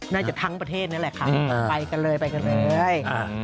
ทั้งประเทศนั่นแหละค่ะไปกันเลยไปกันเลย